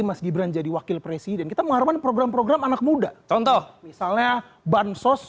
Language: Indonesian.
masih beranjali wakil presiden kita menghargai program program anak muda contoh misalnya bansos